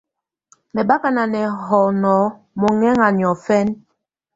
Mɛbaka nà nɛhɔnɔ mɔhɛŋa niɔ̀fɛna.